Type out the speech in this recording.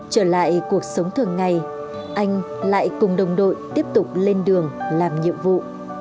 trở lại cuộc sống thường ngày anh lại cùng đồng đội tiếp tục lên đường làm nhiệm vụ